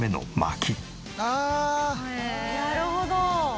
「なるほど」